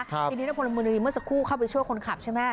ทีนี้พลเมืองดีเมื่อสักครู่เข้าไปช่วยคนขับใช่ไหม